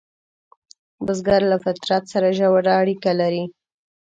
بزګر له فطرت سره ژور اړیکه لري